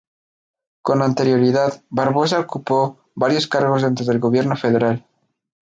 Con anterioridad, Barbosa ocupó varios cargos dentro del Gobierno federal.